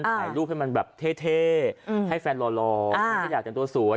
ถ่ายรูปให้มันแบบเท่เท่ให้แฟนรอรอไม่ได้อยากจะเป็นตัวสวย